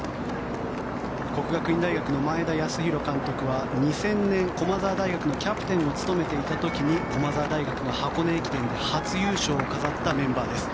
國學院大學の前田康弘監督は２０００年、駒澤大学のキャプテンを務めていた時に駒澤大学が箱根駅伝で初優勝を飾ったメンバーです。